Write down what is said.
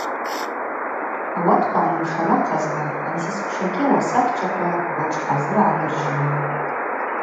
Ауатква гӏанымшара ахъазла ансисквшагьи ауасахчаква былчӏвхӏазыр гӏаныржьуан.